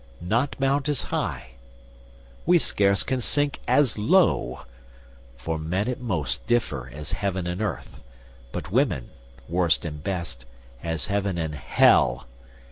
'Not mount as high;' we scarce can sink as low: For men at most differ as Heaven and earth, But women, worst and best, as Heaven and Hell.